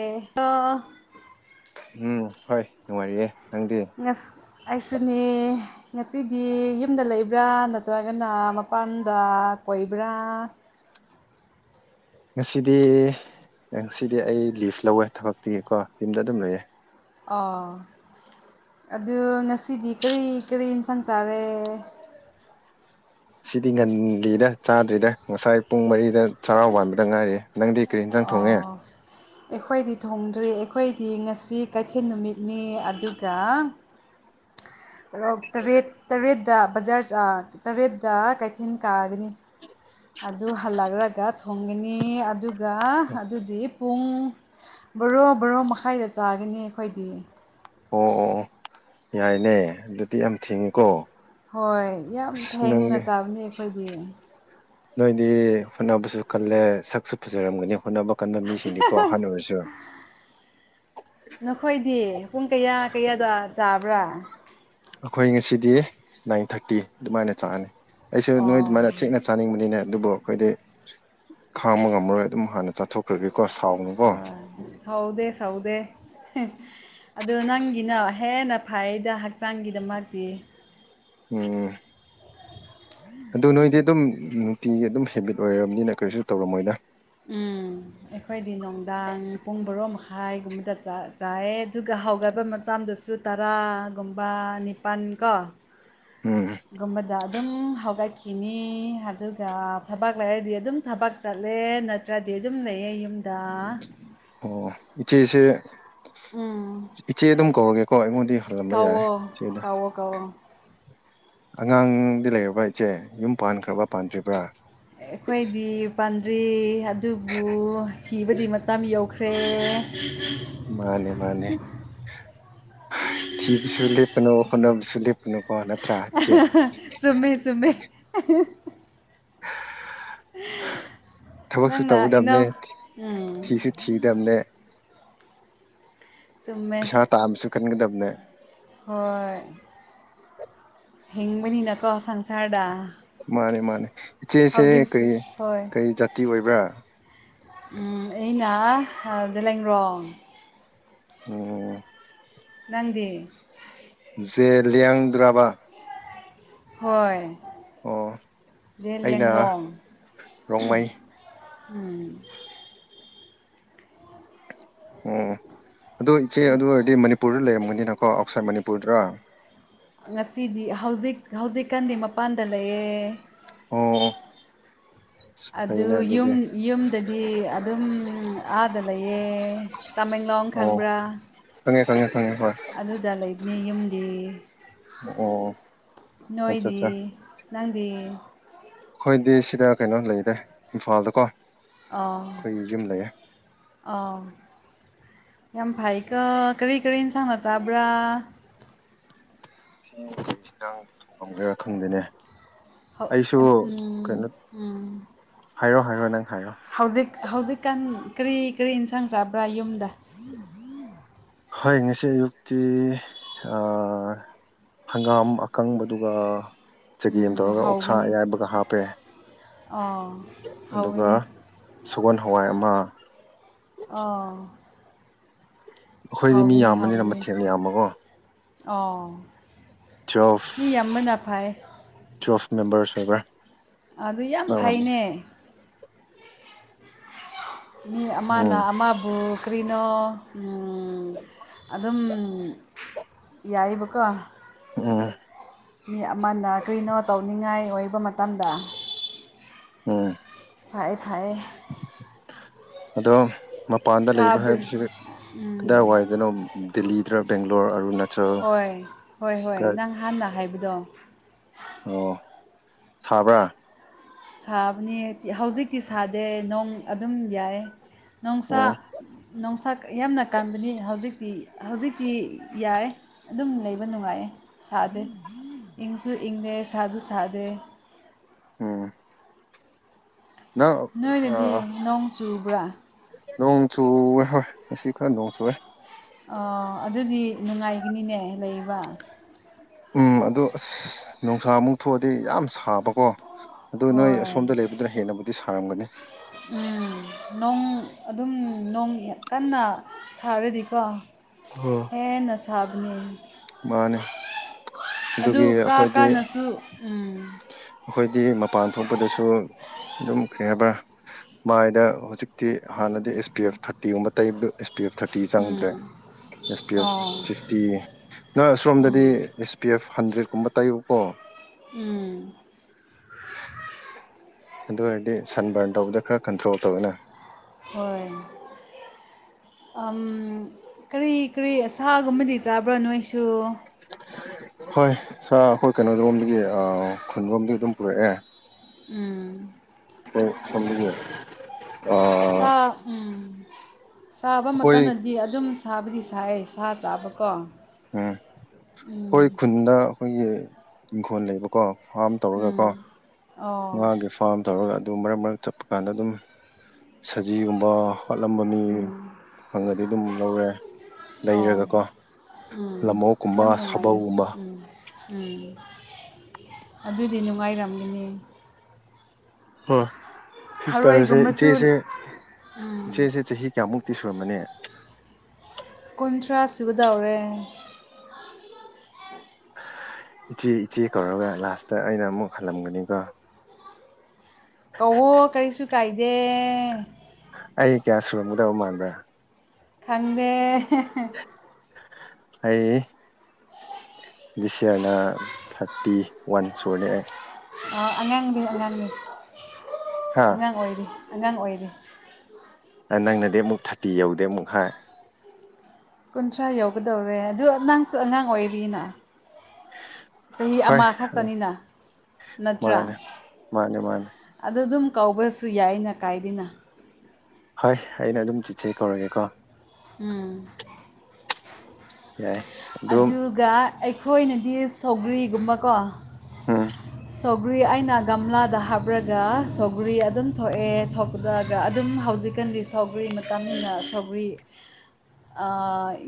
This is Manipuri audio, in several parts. ꯑꯦ ꯍ ꯎꯝ ꯍꯣꯏ ꯅꯨꯡꯉꯥꯏꯔꯤꯑꯦ ꯅꯪꯗꯤ ꯑꯩꯁꯨꯅꯦ ꯉꯁꯤꯗꯤ ꯌꯨꯝꯗ ꯂꯩꯕ꯭ꯔꯥ ꯅꯠꯇ꯭ꯔꯒꯅ ꯃꯄꯥꯟꯗ ꯀꯣꯏꯕ꯭ꯔꯥ ꯉꯁꯤꯗꯤ ꯉꯁꯤꯗꯤ ꯑꯩ ꯂꯤꯐ ꯂꯧꯋꯦ ꯊꯕꯛꯇꯤꯒꯤꯀꯣ ꯌꯝꯗ ꯑꯗꯨꯝ ꯂꯩꯌꯦꯦ ꯑꯣ ꯑꯗꯨ ꯉꯁꯤꯗꯤ ꯀꯔꯤ ꯀꯔꯤ ꯏꯟꯁꯥꯡ ꯆꯥꯔꯦ ꯁꯤꯗꯤ ꯉꯜꯂꯤꯗ ꯆꯥꯗ꯭ꯔꯤꯗ ꯉꯁꯥꯏ ꯄꯨꯡ ꯃꯔꯤꯗ ꯆꯔꯥꯎ ꯋꯥꯟꯕꯗ ꯉꯥꯏꯔꯤ ꯅꯪꯗꯤ ꯀꯔꯤ ꯌꯦꯟꯖꯥꯡ ꯊꯣꯡꯉꯦ ꯑ ꯑꯩꯈꯣꯏꯗꯤ ꯊꯣꯡꯗ꯭ꯔꯤ ꯑꯩꯈꯣꯏꯗꯤ ꯉꯁꯤ ꯀꯩꯊꯦꯜ ꯅꯨꯃꯤꯠꯅꯤ ꯑꯗꯨꯒ ꯔꯣꯛ ꯇꯔꯦꯠ ꯇꯔꯦꯠꯗ ꯕꯖꯥꯔ ꯇꯔꯦꯠꯗ ꯀꯩꯊꯦꯜ ꯀꯥꯒꯅꯤ ꯑꯗꯨ ꯍꯜꯂꯛꯔꯒ ꯊꯣꯡꯒꯅꯤ ꯑꯗꯨ ꯑꯗꯨꯒ ꯑꯗꯨꯗꯤ ꯄꯨꯡ ꯕꯔꯣ ꯕꯔꯣ ꯃꯈꯥꯏꯗ ꯆꯥꯒꯅꯤ ꯑꯩꯈꯣꯏꯗꯤ ꯑꯣ ꯑꯣ ꯑꯣ ꯌꯥꯏꯅꯦ ꯑꯗꯨꯗꯤ ꯌꯥꯝ ꯊꯦꯡꯉꯤꯀꯣ ꯍꯣꯏ ꯌꯥꯝ ꯑꯁ ꯊꯦꯡꯅ ꯅꯪꯗꯤ ꯆꯥꯕꯅꯤ ꯑꯩꯈꯣꯏꯗꯤ ꯅꯣꯏꯗꯤ ꯍꯣꯠꯅꯕꯁꯨ ꯀꯜꯂꯦ ꯁꯛꯁꯨ ꯐꯖꯔꯝꯒꯅꯤ ꯍꯣꯠꯅꯕ ꯀꯟꯕ ꯃꯤꯁꯤꯡꯗꯤꯀꯣ ꯑꯍꯥꯟꯕ ꯑꯣꯏꯔꯁꯨ ꯅꯈꯣꯏꯗꯤ ꯄꯨꯡ ꯀꯌꯥ ꯀꯌꯥꯗ ꯆꯥꯕ꯭ꯔꯥ ꯑꯩꯈꯣꯏ ꯉꯁꯤꯗꯤ ꯅꯥꯏꯟ ꯊꯥꯔꯇꯤ ꯑꯗꯨꯃꯥꯏꯅ ꯆꯥꯒꯅꯤ ꯑꯩꯁꯨ ꯅꯣꯏ ꯑꯣ ꯑꯗꯨꯃꯥꯏꯅ ꯊꯦꯡꯅ ꯆꯥꯅꯤꯡꯕꯅꯤꯅꯦ ꯑꯗꯨꯕꯨ ꯑꯩꯈꯣꯏꯗꯤ ꯈꯥꯡꯕ ꯉꯝꯃꯔꯣꯏ ꯑꯗꯨꯝ ꯍꯥꯟꯅ ꯆꯥꯊꯣꯛ ꯈꯈꯣꯏꯕꯤꯀꯣ ꯁꯥꯎꯅꯨꯀꯣ ꯁꯥꯎꯗꯦ ꯁꯥꯎꯗꯦ ꯑꯗꯨ ꯅꯪꯒꯤꯅ ꯍꯦꯟꯅ ꯐꯩꯗ ꯍꯛꯆꯥꯡꯒꯤꯗꯃꯛꯇꯤ ꯑꯣꯝ ꯑꯗꯨ ꯅꯣꯏꯗꯤ ꯑꯗꯨꯝ ꯅꯨꯡꯇꯤꯒꯤ ꯑꯗꯨꯝ ꯍꯦꯕꯤꯠ ꯑꯣꯏꯔꯕꯅꯤꯅ ꯀꯔꯤꯁꯨ ꯇꯧꯔꯝꯃꯣꯏꯗ ꯎꯝ ꯑꯩꯈꯣꯏꯗꯤ ꯅꯨꯡꯗꯥꯡ ꯄꯨꯡ ꯕꯔꯣ ꯃꯈꯥꯏ ꯒꯨꯝꯕꯗ ꯆꯥ ꯆꯥꯏꯑꯦ ꯑꯗꯨꯒ ꯍꯧꯒꯠꯄ ꯃꯇꯝꯗꯁꯨ ꯇꯔꯥꯒꯨꯝꯕ ꯅꯤꯄꯥꯜ ꯀꯣ ꯎꯝ ꯒꯨꯝꯕꯗ ꯑꯗꯨꯝ ꯍꯧꯒꯠꯈꯤꯅꯤ ꯑꯗꯨꯒ ꯊꯕꯛ ꯂꯩꯥꯔꯗꯤ ꯑꯗꯨꯝ ꯊꯕꯛ ꯆꯠꯂꯦ ꯅꯠ ꯅꯠꯇ꯭ꯔꯗꯤ ꯑꯗꯨꯝ ꯂꯩꯌꯦ ꯌꯨꯝꯗ ꯑꯣ ꯏꯆꯦꯁꯦ ꯎꯝ ꯏꯆꯦ ꯑꯗꯨꯝ ꯀꯧꯔꯒꯦꯀꯣ ꯑꯩꯉꯣꯟꯗꯤ ꯍꯜꯂꯝꯕ ꯌꯥꯏ ꯀꯧꯋꯣ ꯏꯆꯦꯗ ꯀꯧꯋꯣ ꯀꯧꯋꯣ ꯑꯉꯥꯡꯗꯤ ꯂꯩꯔꯕ ꯏꯆꯦ ꯌꯨꯝ ꯄꯥꯟꯈ꯭ꯔꯕ ꯄꯥꯟꯗ꯭ꯔꯤꯕ꯭ꯔꯥ ꯑꯩꯈꯣꯏꯗꯤ ꯄꯥꯟꯗ꯭ꯔꯤ ꯑꯗꯨꯕꯨ ꯊꯤꯕꯗꯤ ꯃꯇꯝ ꯌꯧꯈ꯭ꯔꯦ ꯄꯦ ꯃꯥꯅꯦ ꯃꯥꯅꯦ ꯊꯤꯕꯁꯨ ꯂꯦꯞꯀꯅꯣ ꯍꯣꯠꯅꯕꯁꯨ ꯂꯦꯞ ꯀꯅꯨꯀꯣ ꯅꯠꯇ꯭ꯔꯥ ꯏꯆꯦ ꯆꯨꯝꯃꯦ ꯆꯨꯝꯃꯦ ꯑꯍꯦꯍ ꯊꯕꯛꯁꯨ ꯅꯪꯅ ꯇꯧꯒꯗꯕꯅꯦ ꯏꯅꯧ ꯊꯤ ꯎꯝ ꯊꯤꯁꯨ ꯊꯤꯗꯝꯅꯦ ꯁꯨꯝꯃꯦ ꯇꯥꯝꯁꯨ ꯈꯟꯒꯗꯕꯅꯦ ꯍꯣꯏ ꯍꯤꯡꯕꯅꯤꯅꯀꯣ ꯁꯪꯁꯥꯔꯗ ꯃꯥꯅꯤ ꯃꯥꯅꯦ ꯏꯆꯦꯁꯦ ꯍꯧꯖꯤꯛꯁꯨ ꯀꯔꯤ ꯍꯣꯏ ꯀꯔꯤ ꯖꯥꯇꯤ ꯑꯣꯏꯕ꯭ꯔꯥ ꯑꯩꯅ ꯖꯂꯔꯣꯡ ꯑꯣ ꯅꯗꯤ ꯖꯦꯂꯤꯌꯥꯡꯗꯨꯔꯥꯕ ꯍꯣꯏ ꯑꯣ ꯑꯩꯅ ꯖꯦꯂꯤꯌꯥꯡꯔꯣꯡ ꯔꯣꯡꯃꯩ ꯎꯝ ꯑꯣ ꯑꯗꯣ ꯏꯆꯦ ꯑꯗꯨ ꯑꯣꯏꯔꯗꯤ ꯃꯅꯤꯄꯨꯔꯗ ꯂꯩꯔꯝꯒꯅꯤꯅꯀꯣ ꯑꯥꯎꯠꯁꯥꯏꯠ ꯃꯅꯤꯄꯨꯔꯗꯔ ꯉꯁꯤꯗꯤ ꯍꯧꯖꯤꯛ ꯍꯧꯖꯤꯛꯀꯥꯟꯗꯤ ꯃꯄꯥꯟꯗ ꯂꯩꯌꯦ ꯑꯣꯝ ꯑꯗꯨ ꯌꯨꯝ ꯌꯨꯝꯗꯗꯤ ꯑꯗꯨꯝ ꯑꯥꯗ ꯂꯩꯌꯦ ꯇꯥꯃꯦꯡꯂꯣꯡ ꯑꯣ ꯈꯪꯕ꯭ꯔꯥ ꯈꯪꯉꯦ ꯈꯪꯉꯦ ꯈꯪꯉꯦ ꯍꯣꯏ ꯑꯗꯨꯗ ꯂꯩꯕꯅꯤ ꯌꯨꯝꯗꯤ ꯑꯣ ꯑꯠꯆꯥ ꯅꯣꯏꯗꯤ ꯑꯠꯆꯥ ꯅꯪꯗꯤ ꯑꯩꯈꯣꯏꯗꯤ ꯁꯤꯗ ꯀꯩꯅꯣ ꯂꯩꯔꯦ ꯏꯝꯐꯥꯜꯗꯀꯣ ꯑꯣ ꯑꯩꯈꯣꯏꯒꯤ ꯌꯨꯝ ꯂꯩꯌꯦ ꯑꯥꯎ ꯌꯥꯝ ꯐꯩꯀ ꯀꯔꯤ ꯀꯔꯤ ꯑꯦꯟꯁꯥꯡꯅ ꯇꯥꯕ꯭ꯔꯥ ꯏ ꯑꯩꯈꯣꯏ ꯏꯤꯟꯖꯥꯡ ꯊꯣꯡꯉꯝꯒꯦꯔꯥ ꯈꯪꯗꯦꯅꯦ ꯍ ꯑꯩꯁꯨ ꯀꯩꯅꯣ ꯍꯥꯏꯔꯣ ꯍꯥꯏꯔꯣ ꯅꯪ ꯍꯥꯏꯔꯣ ꯍꯧꯖꯤꯛ ꯍꯧꯖꯤꯛꯀꯥꯟ ꯀꯔꯤ ꯀꯔꯤ ꯏꯟꯁꯥꯡ ꯆꯥꯕ꯭ꯔꯥ ꯌꯨꯝꯗ ꯍꯣꯏ ꯉꯁꯤ ꯑꯌꯨꯛꯇꯤ ꯍꯪꯒꯥꯝ ꯑꯀꯪꯕꯗꯨꯒ ꯆꯒꯦꯝ ꯇꯧꯔꯒ ꯑꯣꯛꯁꯥ ꯑꯌꯥꯏꯕꯒ ꯍꯥꯞꯄꯦ ꯑ ꯑꯗꯨꯒ ꯁꯒꯣꯜ ꯍꯋꯥꯏ ꯑꯃ ꯑꯥ ꯑꯩꯈꯣꯏꯗꯤ ꯃꯤ ꯌꯥꯝꯕꯅꯤꯅ ꯃꯊꯦꯡꯅ ꯌꯥꯝꯕꯀꯣ ꯑꯣ ꯃꯤ ꯌꯥꯝ ꯃꯄꯥꯏ ꯇꯨꯋꯦꯜꯞ ꯃꯦꯝꯝꯕꯔꯁ ꯍꯥꯏ꯭ꯔꯥ ꯑꯗꯨ ꯌꯥꯝ ꯐꯩꯅꯦ ꯃꯤ ꯑꯃꯅ ꯎꯝ ꯑꯃꯕꯨ ꯀ꯭ꯔꯤꯅꯣ ꯑꯗꯨꯝ ꯌꯥꯏꯕ ꯀ ꯎꯝ ꯃꯤ ꯑꯃꯅ ꯀꯔꯤꯅꯣ ꯇꯧꯅꯤꯡꯉꯥꯏ ꯑꯣꯏꯕ ꯃꯇꯝꯗ ꯎꯝ ꯐꯩ ꯐꯩ ꯑꯗꯣ ꯃꯄꯥꯟꯗ ꯂꯩꯕ ꯁꯥꯕ꯭ꯔ ꯍꯥꯏꯕꯁꯤ ꯀꯗꯥꯏ ꯋꯥꯏꯗꯅꯣ ꯗꯗꯤꯍꯤꯔ ꯦꯡꯒꯂꯣꯔꯅꯥ ꯍꯣꯏ ꯍꯣꯏ ꯍꯣꯏ ꯅꯪ ꯍꯥꯟꯅ ꯍꯥꯏꯕꯗꯣ ꯑꯣ ꯁꯥꯕ꯭ꯔꯥ ꯁꯥꯕꯅꯤ ꯍꯧꯖꯤꯛꯇꯤ ꯁꯥꯗꯦ ꯅꯣꯡ ꯑꯗꯨꯝ ꯌꯥꯏ ꯅꯣꯡꯁꯥ ꯑꯣ ꯅꯨꯡꯁꯥ ꯌꯥꯝꯅ ꯀꯥꯟꯕꯅꯤ ꯍꯧꯖꯤꯛꯇꯤ ꯍꯧꯖꯤꯛꯇꯤ ꯌꯥꯏ ꯑꯗꯨꯝ ꯂꯩꯕ ꯅꯨꯡꯉꯥꯏꯌꯦ ꯁꯥꯗꯦ ꯏꯪꯁꯨ ꯏꯪꯗꯦ ꯁꯥꯁꯨ ꯁꯥꯗꯦ ꯎꯝ ꯅꯪ ꯅꯣꯏꯗꯗꯤ ꯅꯣꯡ ꯆꯨꯕ꯭ꯔꯥ ꯅꯣꯡꯆꯨꯋꯦ ꯍꯣꯏ ꯑꯁꯤ ꯈꯔ ꯅꯣꯡ ꯆꯨꯑꯦ ꯑꯗꯨꯗꯤ ꯅꯨꯡꯉꯥꯏꯒꯅꯤꯅꯦ ꯂꯩꯕ ꯎꯝ ꯑꯗꯣ ꯑꯁ ꯅꯨꯡꯁꯥꯃꯨꯛ ꯊꯣꯛꯑꯗꯤ ꯌꯥꯝ ꯁꯥꯕꯀꯣ ꯑꯗꯨ ꯅꯣꯏ ꯑꯁꯣꯝꯗ ꯂꯩꯕꯗꯨꯅ ꯍꯦꯟꯅꯕꯨꯗꯤ ꯁꯥꯔꯝꯒꯅꯤ ꯎꯝ ꯅꯣꯡ ꯑꯗꯨꯝ ꯅꯣꯡ ꯀꯟꯅ ꯁꯥꯔꯗꯤꯀꯣ ꯑꯣ ꯍꯦꯟꯅ ꯁꯥꯕꯅꯤ ꯃꯥꯅꯦ ꯑꯗꯨ ꯑꯗꯨꯒꯤ ꯀꯥ ꯑꯩꯈꯣꯏꯗꯤ ꯀꯥꯅꯁꯨ ꯑꯩꯈꯣꯏꯗꯤ ꯃꯄꯥꯟ ꯊꯣꯛꯄꯗꯁꯨ ꯑꯗꯨꯝꯈ꯭ꯔꯦ ꯍꯥꯏꯕ꯭ꯔꯥ ꯃꯥꯏꯗ ꯍꯧꯖꯤꯛꯇꯤ ꯍꯥꯟꯅꯗꯤ ꯑꯦꯁ ꯄꯤ ꯑꯦꯐ ꯊꯥꯔꯇꯤꯒꯨꯝꯕ ꯇꯩꯕ ꯐ ꯊꯥꯔꯇꯤ ꯆꯪꯗ꯭ꯔꯦ ꯎꯝ S P F O fifty ꯅꯣꯏ ꯑꯁꯣꯝꯗꯗꯤ ꯎꯝ ꯑꯦ ꯄꯤ ꯑꯦꯐ ꯍꯟꯗ꯭ꯔꯦꯠꯀꯨꯝꯕ ꯇꯩꯕꯀꯣ ꯎꯝ ꯑꯗꯨ ꯑꯣꯏꯔꯗꯤ ꯁꯟ ꯕꯔꯟ ꯇꯧꯕꯗ ꯈꯔ ꯀꯟꯇ꯭ꯔꯣꯜ ꯇꯧꯋꯦꯅ ꯍꯣꯏ ꯀꯔꯤ ꯀꯔꯤ ꯑ ꯁꯥꯥꯒꯨꯝꯕꯗꯤ ꯆꯥꯕ꯭ꯔꯣ ꯅꯣꯏꯁꯨ ꯍꯣꯏ ꯁꯥꯔ ꯑꯩꯈꯣꯏ ꯀꯩꯅꯣꯔꯣꯝꯗꯒꯤ ꯈꯨꯟꯔꯣꯝꯗꯒꯤ ꯑꯗꯨꯝ ꯄꯨꯔꯛꯑꯦ ꯎꯝ ꯊꯦ ꯑ ꯁꯥ ꯁꯥꯕ ꯃꯇꯝꯗꯗꯤ ꯑꯗꯨꯝ ꯁꯥꯕꯨꯗꯤ ꯁꯥꯏ ꯁꯥ ꯆꯥꯕꯀꯣ ꯎꯝ ꯍꯣꯏ ꯎꯝ ꯈꯨꯟꯗ ꯑꯩꯈꯣꯏꯒꯤ ꯏꯪꯈꯣꯜ ꯂꯩꯕꯀꯣ ꯐꯥꯝ ꯇꯧꯔꯒꯀꯣ ꯎꯝ ꯑꯣ ꯉꯥꯒꯤ ꯐꯥꯝ ꯇꯧꯔꯒ ꯑꯗꯨ ꯃꯔꯛ ꯃꯔꯛ ꯆꯠꯄ ꯀꯥꯟꯗ ꯑꯗꯨꯝ ꯁꯖꯤꯒꯨꯝꯕ ꯐꯠꯂꯝꯕ ꯃꯤ ꯐꯪꯉꯗꯤ ꯑꯗꯨꯝ ꯂꯧꯔꯦ ꯑꯣ ꯂꯩꯔꯒꯀꯣ ꯎꯝ ꯂꯝꯑꯣꯛꯀꯨꯝꯕ ꯌꯥꯝ ꯅꯨꯡꯉꯥꯏꯌꯦ ꯁꯥꯕꯧꯒꯨꯝꯕ ꯎꯝ ꯎꯝ ꯑꯗꯨꯗꯤ ꯅꯨꯡꯉꯥꯏꯔꯝꯒꯅꯤ ꯍꯣꯏ ꯁꯤꯁꯇꯔꯁꯦ ꯊꯔꯣꯏꯒꯨꯝꯕꯁꯨ ꯏꯆꯦꯁꯦ ꯎꯝ ꯏꯆꯦꯁꯦ ꯆꯍꯤ ꯀꯌꯥꯃꯨꯛ ꯇꯤ ꯁꯣꯔꯃꯅꯦ ꯀꯨꯟꯊ꯭ꯔꯥ ꯁꯨꯒꯗꯎꯔꯦ ꯏꯆꯦ ꯏꯆꯦ ꯀꯧꯔꯒ ꯂꯥꯁꯇ ꯑꯩꯅ ꯑꯃꯨꯛ ꯍꯜꯂꯝꯒꯅꯤꯀꯣ ꯀꯧꯋꯣ ꯀꯔꯤꯁꯨ ꯀꯥꯏꯗꯦ ꯑꯩ ꯀꯌꯥ ꯁꯨꯔꯝꯒꯗꯕ ꯃꯥꯟꯕ꯭ꯔꯥ ꯈꯟꯗꯦ ꯑꯩꯌꯦ ꯗꯤꯁꯔꯅ ꯊꯥꯔꯇꯤ ꯋꯥꯟ ꯁꯨꯔꯅꯦ ꯑꯩ ꯑꯉꯥꯡꯗꯤ ꯑꯉꯥꯡꯅꯤ ꯍꯥ ꯑꯉꯥꯡ ꯑꯣꯏꯔꯤ ꯑꯉꯥꯡ ꯑꯣꯏꯔꯤ ꯅꯪꯅꯗꯤ ꯑꯃꯨꯛ ꯊꯥꯔꯇꯤ ꯌꯧꯗꯦ ꯑꯃꯨꯛ ꯍꯥꯏ ꯀꯨꯟꯊ꯭ꯔꯥ ꯌꯧꯒꯗꯧꯔꯦ ꯑꯗꯨ ꯑꯉꯥꯡꯁꯨ ꯑꯉꯥꯡ ꯑꯣꯏꯔꯤꯅ ꯆꯍꯤ ꯍꯣꯏ ꯑꯃ ꯈꯛꯇꯅꯤꯅ ꯃꯥꯅꯦ ꯃꯥꯅꯦ ꯃꯥꯅꯦ ꯑꯗꯨꯗ ꯑꯗꯨꯝ ꯀꯧꯕꯁꯨ ꯌꯥꯏꯅ ꯀꯥꯏꯗꯅ ꯍꯣꯏ ꯑꯩꯅ ꯑꯗꯨꯝ ꯆꯤꯠꯁꯦ ꯀꯧꯔꯒꯦ ꯀꯣ ꯎꯝ ꯌꯥ ꯑꯗꯨꯒ ꯑꯩꯈꯣꯏꯅꯗꯤ ꯁꯧꯒ꯭ꯔꯤꯒꯨꯝꯕꯀꯣ ꯎꯝ ꯁꯧꯒ꯭ꯔꯤ ꯑꯩꯅ ꯒꯝꯂꯥꯗ ꯍꯥꯞꯔꯒ ꯁꯧꯒ꯭ꯔꯤ ꯑꯗꯨꯝ ꯊꯣꯛꯑꯦ ꯊꯣꯛꯒ ꯑꯗꯨꯝ ꯍꯧꯖꯤꯛ ꯆꯤꯛꯀꯟꯗꯤ ꯁꯥꯎꯒ꯭ꯔꯤ ꯃꯇꯝꯅꯤ ꯏꯟꯅ ꯁꯥꯎꯒ꯭ꯔꯤ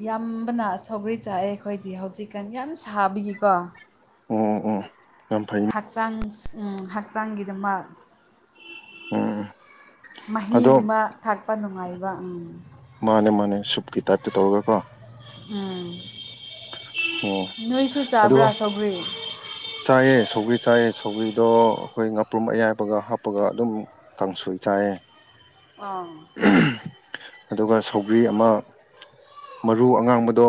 ꯌꯥꯝꯕꯅ ꯁꯥꯎꯒ꯭ꯔꯤ ꯑꯩ ꯆꯥꯛꯑꯦ ꯑꯩꯈꯣꯏꯗꯤ ꯍꯧꯖꯤꯛꯀꯥꯟ ꯌꯥꯝ ꯁꯥꯕꯤꯒꯤꯀꯣ ꯑꯣꯝ ꯑꯣ ꯑꯣ ꯌꯥꯝꯝ ꯐꯩꯅꯦ ꯍꯛꯆꯥꯡ ꯍꯛꯆꯥꯡꯒꯤꯗꯃꯛ ꯎꯝ ꯎꯝ ꯑꯗꯣ ꯃꯍꯤꯒꯨꯝꯕ ꯊꯥꯛꯄ ꯅꯨꯡꯉꯥꯏꯕ ꯃꯥꯅꯦ ꯃꯥꯅꯦ ꯁꯨꯞꯀꯤ ꯇꯥꯏꯞꯇ ꯇꯧꯔꯒ ꯀꯣ ꯎꯝ ꯎꯝ ꯅꯣꯏꯁꯨ ꯆꯥꯕ꯭ꯔꯥ ꯁꯧꯒ꯭ꯔꯤ ꯆꯥꯏꯑ ꯁꯧꯒ꯭ꯔꯤ ꯆꯥꯏꯑ ꯁꯧꯒ꯭ꯔꯤꯗꯣ ꯑꯩꯈꯣꯏ ꯉꯥꯄ꯭ꯔꯨꯝ ꯑꯌꯥꯏꯕꯒ ꯍꯥꯞꯄꯒ ꯑꯗꯨꯝ ꯀꯥꯡꯁꯣꯏ ꯆꯥꯏꯌꯦ ꯑꯥ ꯑꯗꯨꯒ ꯁꯧꯒ꯭ꯔꯤ ꯑꯃ ꯃꯔꯨ ꯑꯉꯥꯡꯕꯗꯣ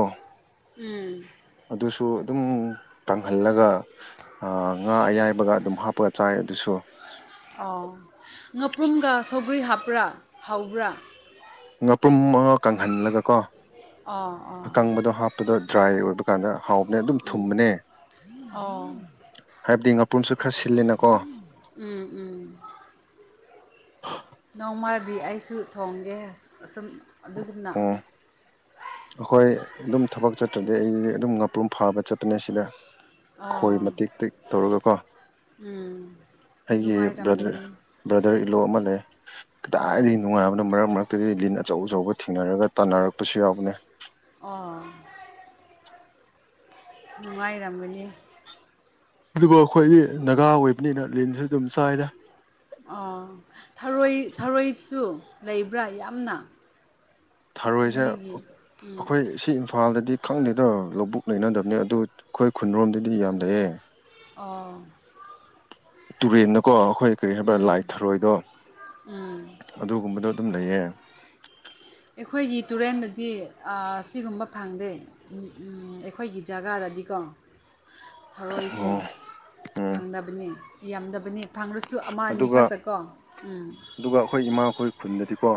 ꯎꯝ ꯑꯗꯨꯁꯨ ꯑꯗꯨꯝ ꯀꯪꯍꯜꯂꯒ ꯉꯥ ꯑꯌꯥꯏꯕꯒ ꯑꯗꯨꯝ ꯍꯥꯞꯄꯒ ꯆꯥꯏ ꯑꯗꯨꯁꯨ ꯑꯣ ꯉꯥꯄ꯭ꯔꯨꯝꯒ ꯁꯧꯒ꯭ꯔꯤ ꯍꯥꯞꯄ꯭ꯔꯥ ꯍꯥꯎꯕ꯭ꯔꯥ ꯉꯥꯄ꯭ꯔꯨꯝ ꯃꯉꯥ ꯀꯪꯍꯜꯂꯒ ꯀꯣ ꯑꯥ ꯑꯥ ꯑꯀꯪꯕꯗꯣ ꯍꯥꯞꯄꯗꯣ ꯗ꯭ꯔꯥꯏ ꯑꯣꯏꯕ ꯀꯥꯟꯗ ꯍꯥꯎꯕꯅꯦ ꯑꯗꯨꯝ ꯊꯨꯝꯕꯅꯦ ꯑꯣ ꯍꯥꯏꯕꯗꯤ ꯉꯄꯨꯟꯁꯨ ꯈꯔ ꯁꯤꯜꯂꯤꯅꯀꯣ ꯎꯝ ꯎꯝ ꯅꯣꯡꯃꯥꯕꯤ ꯑꯩꯁꯨ ꯊꯣꯡꯒꯦ ꯑꯁꯨꯝ ꯑꯗꯨꯒꯨꯝꯅ ꯎꯝ ꯑꯩꯈꯣꯏ ꯑꯗꯨꯝ ꯊꯕꯛ ꯆꯠꯇ꯭ꯔꯗꯤ ꯑꯩꯗꯤ ꯑꯗꯨꯝ ꯉꯥꯄ꯭ꯔꯨꯝ ꯐꯥꯕ ꯆꯠꯄꯅꯦ ꯁꯤꯗ ꯈꯣꯏ ꯑꯣ ꯃꯇꯦꯛ ꯇꯦꯛ ꯇꯧꯔꯒꯀꯣ ꯎꯝ ꯑꯩꯒꯤ ꯕ꯭ꯔꯗꯔ ꯅꯨꯡꯉꯥꯏꯔꯝꯒꯅꯤ ꯕ꯭ꯔꯗꯔ ꯏꯜꯂꯣ ꯑꯃ ꯂꯩ ꯑꯣ ꯀꯗꯥꯏꯗꯒꯤ ꯅꯨꯡꯉꯥꯏꯕ ꯑꯗꯨ ꯃꯔꯛ ꯃꯔꯛꯇꯗꯤ ꯂꯤꯟ ꯑꯆꯧ ꯑꯆꯧꯕ ꯊꯦꯡꯅꯔꯒ ꯇꯥꯟꯅꯔꯛꯄꯁꯨ ꯌꯥꯎꯕꯅꯦ ꯑꯣ ꯅꯨꯡꯉꯥꯏꯔꯝꯒꯅꯤ ꯑꯗꯨꯒ ꯑꯩꯈꯣꯏꯗꯤ ꯅꯥꯒꯥ ꯑꯣꯏꯕꯅꯤꯅ ꯂꯤꯟꯁꯨ ꯑꯗꯨꯝ ꯆꯥꯏꯗ ꯑꯣ ꯊꯔꯣꯏ ꯊꯔꯣꯏꯁꯨ ꯂꯩꯕ꯭ꯔꯥ ꯌꯥꯝꯅ ꯊꯔꯣꯏꯁꯦ ꯅꯣꯏꯒꯤ ꯎꯝ ꯑꯩꯈꯣꯏ ꯁꯤ ꯏꯐꯥ ꯏꯝꯐꯥꯜꯗꯗꯤ ꯈꯪꯗꯦꯗꯣ ꯂꯧꯕꯨꯛ ꯂꯩꯅꯗꯕꯅꯦ ꯑꯗꯨ ꯑꯩꯈꯣꯏ ꯈꯨꯟꯔꯣꯝꯗꯗꯤ ꯌꯥꯝ ꯂꯩꯌꯦꯦ ꯑꯣ ꯇꯨꯔꯦꯜꯗꯀꯣ ꯑꯩꯈꯣꯏ ꯀꯔꯤ ꯍꯥꯏꯕ꯭ꯔꯥ ꯂꯥꯏ ꯊꯔꯣꯏꯗꯣ ꯑꯗꯨꯒꯨꯝꯕꯗꯣ ꯑꯗꯨꯝ ꯂꯩꯌꯦ ꯑꯩꯈꯣꯏꯒꯤ ꯇꯨꯔꯦꯟꯗꯗꯤ ꯁꯤꯒꯨꯝꯕ ꯐꯪꯗꯦ ꯑꯩꯈꯣꯏꯒꯤ ꯖꯒꯥꯗꯗꯤꯀꯣ [unintelligible] ꯊꯧꯔꯣꯏꯁꯦ ꯑꯣ ꯎꯝ ꯐꯪꯗꯕꯅꯤ ꯌꯥꯝꯗꯕꯅꯤ ꯐꯪꯔꯁꯨ ꯑꯃ ꯑꯅꯤ ꯑꯗꯨꯒ ꯈꯛꯇꯀꯣ ꯎꯝ ꯑꯗꯨꯒ ꯑꯩꯈꯣꯏ ꯏꯃꯥꯈꯣꯏ ꯈꯨꯟꯗꯗꯤꯀꯣ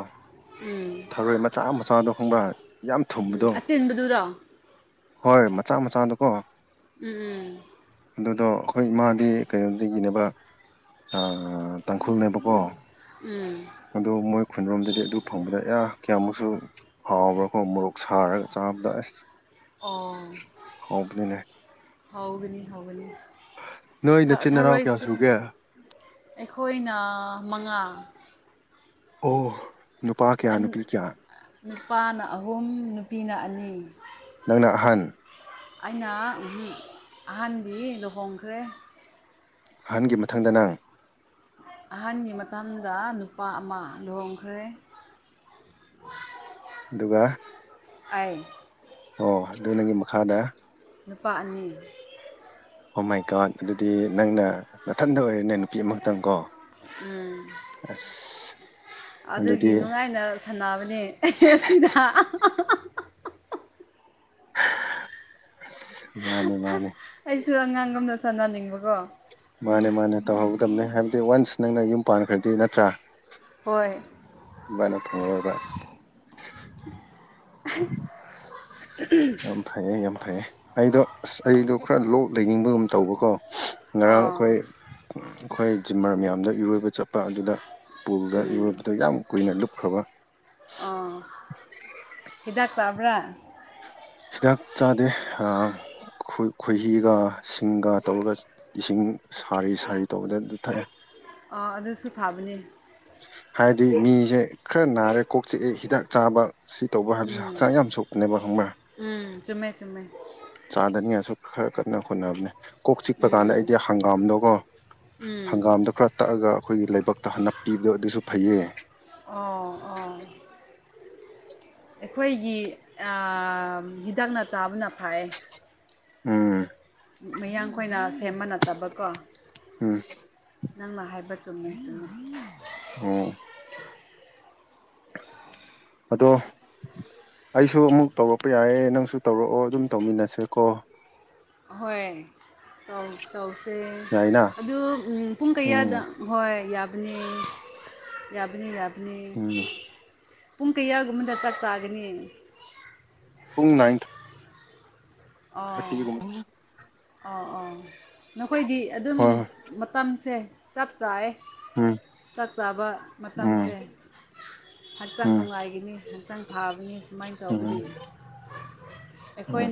ꯎꯝ ꯊꯔꯣꯏ ꯃꯆꯥ ꯃꯆꯥꯗꯣ ꯈꯪꯕ ꯌꯥꯝ ꯎꯝ ꯊꯨꯝꯕꯗꯣ ꯑꯇꯤꯟꯕꯗꯨꯔꯣ ꯍꯣꯏ ꯃꯆꯥ ꯃꯆꯥꯗꯨ ꯀꯣ ꯎꯝ ꯎꯝ ꯑꯗꯨꯗꯣ ꯑꯩꯈꯣꯏ ꯏꯃꯥꯗꯤ ꯀꯩꯅꯣꯗꯒꯤꯅꯦꯕ ꯇꯥꯡꯈꯨꯜꯅꯦꯕꯀꯣ ꯑꯣ ꯃꯣꯏ ꯈꯨꯟꯔꯣꯝꯗꯗꯤ ꯑꯗꯨ ꯐꯪꯕꯗ ꯑ ꯀꯌꯥꯃꯨꯛꯁꯨ ꯍꯥꯎꯕ꯭ꯔꯥꯀꯣ ꯃꯣꯔꯣꯛ ꯁꯥꯔꯒ ꯆꯥꯕꯗ ꯑꯁ ꯑꯣ ꯍꯥꯎꯕꯅꯤꯅꯦ ꯍꯧꯒꯅꯤ ꯍꯧꯒꯅꯤ ꯅꯣꯏ ꯊ- ꯅꯆꯤꯟ ꯅꯅꯥꯎ ꯀꯌꯥ ꯊꯔꯣꯏꯁꯦ ꯁꯨꯒꯦ ꯑꯩꯈꯣꯏꯅ ꯃꯉꯥ ꯑꯣ ꯅꯨꯄꯥ ꯀꯌꯥ ꯑꯅꯤ ꯅꯨꯄꯤ ꯀꯌꯥ ꯅꯨꯄꯥꯅ ꯑꯍꯨꯝ ꯅꯨꯄꯤꯅ ꯑꯅꯤ ꯅꯪꯅ ꯑꯍꯟ ꯑꯩꯅ ꯑꯍꯟꯗꯤ ꯂꯨꯍꯣꯡꯈ꯭ꯔꯦ ꯑꯍꯟꯒꯤ ꯃꯊꯪꯗ ꯅꯪ ꯑꯍꯟꯒꯤ ꯃꯇꯥꯡꯗ ꯅꯨꯄꯥ ꯑꯃ ꯂꯨꯍꯣꯡꯈ꯭ꯔꯦ ꯑꯗꯨꯒ ꯑ ꯑꯣ ꯑꯗꯨ ꯅꯪꯒꯤ ꯃꯈꯥꯗ ꯅꯨꯄꯥ ꯑꯅꯤ ꯍꯣ ꯃꯥꯏ ꯀꯥꯔꯗ ꯑꯗꯨꯗꯤ ꯅꯪꯅ ꯅꯥꯊꯟꯗ ꯑꯣꯏꯔꯦꯅꯦ ꯅꯨꯄꯤ ꯑꯃꯈꯛꯇꯪ ꯀꯣ ꯎꯝ ꯑꯁ ꯑꯗꯨꯒꯤ ꯑꯗꯨꯗꯤ ꯅꯨꯡꯉꯥꯏꯅ ꯊꯟꯅꯕꯅꯦ ꯑꯁꯤꯗ ꯑ ꯑꯩꯁꯨ ꯑꯉꯥꯡꯒ ꯑꯃꯅ ꯁꯥꯟꯅꯅꯤꯡꯕꯀꯣ ꯃꯥꯅꯦ ꯃꯥꯅꯦ ꯇꯧꯍꯧꯒꯗꯕꯅꯦ ꯍꯥꯏꯕꯗꯤ ꯋꯥꯟꯁ ꯅꯪꯅ ꯌꯨꯝ ꯄꯥꯟꯈ꯭ꯔꯗꯤ ꯅꯠꯇ꯭ꯔꯥ ꯍꯣꯏ ꯅ ꯊꯉꯕꯕꯥ [unintelligible] ꯌꯥꯝ ꯐꯩꯌꯦꯦ ꯌꯥꯝ ꯐꯩꯌꯦꯦ ꯑꯩꯗꯣ ꯑꯁ ꯑꯩꯗꯣ ꯈꯔ ꯂꯣꯛ ꯂꯩꯅꯤꯡꯕꯒꯨꯝ ꯇꯧꯕꯀꯣ ꯉꯔꯥꯡ ꯑꯥ ꯑꯩꯈꯣꯏ ꯑꯩꯈꯣꯏ ꯖꯤꯝꯃꯔ ꯃꯌꯥꯝꯗ ꯏꯔꯣꯏꯕ ꯆꯠꯄ ꯑꯗꯨꯗ ꯄꯨꯜꯗ ꯌꯨꯔꯕꯗ ꯌꯥꯝ ꯀꯨꯏꯅ ꯂꯨꯞꯈ꯭ꯔꯕ ꯑꯥ ꯍꯤꯗꯥꯛ ꯇꯥꯕ꯭ꯔꯥ ꯍꯤꯗꯥꯛ ꯆꯥꯗꯦ ꯑ ꯈꯣꯏꯍꯤꯒ ꯁꯤꯡꯒ ꯇꯧꯔꯒ ꯏꯁꯤꯡ ꯁꯥꯔꯤ ꯁꯥꯔꯤ ꯇꯧꯕꯗ ꯑꯗꯨ ꯊꯛꯑꯦ ꯑꯥ ꯑꯗꯨꯁꯨ ꯐꯕꯅꯦ ꯍꯥꯏꯗꯤ ꯃꯤꯁꯦ ꯈꯔ ꯅꯥꯔꯦ ꯀꯣꯛꯆꯤꯛꯑꯦ ꯍꯤꯗꯥꯛ ꯆꯥꯕ ꯁꯤ ꯇꯧꯕ ꯍꯥꯏꯕꯁꯦ ꯍꯛꯆꯥꯡ ꯌꯥꯝ ꯁꯣꯛꯄꯅꯦꯕ ꯍꯪꯕ꯭ꯔꯥ ꯎꯝ ꯆꯨꯝꯃꯦ ꯆꯨꯝꯃꯦ ꯆꯥꯗꯅꯤꯉꯁꯨ ꯈꯔ ꯀꯟꯅ ꯍꯣꯠꯅꯕꯅꯦ ꯀꯣꯛ ꯆꯤꯛꯄ ꯀꯥꯟꯗ ꯑꯩꯗꯤ ꯍꯪꯒꯥꯝꯗꯣꯀꯣ ꯎꯝ ꯍꯪꯒꯥꯝꯗꯣ ꯈꯔ ꯇꯛꯑꯒ ꯑꯩꯈꯣꯏꯒꯤ ꯂꯥꯏꯕꯛꯇ ꯍꯟꯅꯄꯤꯤꯕꯗꯣ ꯑꯗꯨꯁꯨ ꯐꯩꯌꯦ ꯑꯣ ꯑꯣꯥ ꯑꯩꯈꯣꯏꯒꯤ ꯍꯤꯗꯥꯛꯅ ꯆꯥꯕꯅ ꯐ ꯎꯝ ꯃꯌꯥꯡꯈꯣꯏꯅ ꯁꯦꯝꯕ ꯅꯠꯇꯕꯀꯣ ꯎꯝ ꯅꯪꯅ ꯍꯥꯏꯕ ꯆꯨꯝꯃꯦ ꯆꯨꯝꯃꯤ ꯑꯝ ꯑꯗꯣ ꯑꯩꯁꯨ ꯑꯃꯨꯛ ꯇꯧꯔꯛꯄ ꯌꯥꯏꯌꯦ ꯅꯪꯁꯨ ꯇꯧꯔꯛꯑꯣ ꯑꯗꯨꯝ ꯇꯧꯃꯤꯟꯅꯁꯦꯀꯣ ꯑꯍꯣꯏ ꯇꯧꯁꯦ ꯌꯥꯏꯅ ꯑꯗꯨ ꯄꯨꯡ ꯀꯌꯥꯗ ꯎꯝ ꯍꯣꯏ ꯌꯥꯕꯅꯤ ꯌꯥꯕꯅꯤ ꯌꯥꯕꯅꯤ ꯎꯝ ꯄꯨꯡ ꯀꯌꯥꯒꯨꯝꯕꯗ ꯆꯥꯛ ꯆꯥꯒꯅꯤ ꯄꯨꯡ ꯅꯥꯏꯟ ꯑꯣꯥ ꯊꯥꯔꯇꯤꯒꯨꯝꯕ ꯍꯣꯏ ꯑꯥ ꯑꯣꯥ ꯅꯈꯣꯏꯗꯤ ꯑꯗꯨꯝ ꯍꯣꯏ ꯃꯇꯝꯁꯦ ꯆꯞ ꯆꯥꯑ ꯎꯝ ꯆꯥꯛ ꯆꯥꯕ ꯎꯝ ꯃꯇꯝꯁꯦ ꯍꯛꯆꯥꯡ ꯎꯝ ꯅꯨꯡꯉꯥꯏꯒꯅꯤ ꯍꯛꯆꯥꯡ ꯐꯥꯕꯅꯤ ꯁꯨꯃꯥꯏꯅ ꯎꯝ ꯇꯧꯕꯗꯤ ꯎꯝ ꯑꯩꯈꯣꯏ